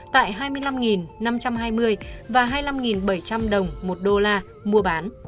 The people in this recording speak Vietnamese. tại hai mươi năm năm trăm hai mươi và hai mươi năm bảy trăm linh đồng một đô la mua bán